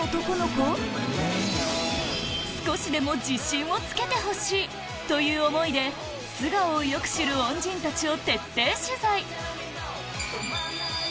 少しでも自信をつけてほしい！という思いで素顔をよく知る橋海人さんの。